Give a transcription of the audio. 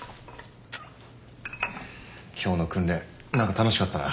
今日の訓練何か楽しかったな。